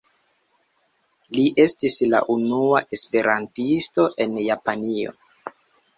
Li estis la unua esperantisto en Japanio.